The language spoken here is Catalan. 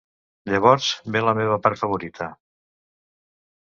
Llavors ve la meva part favorita.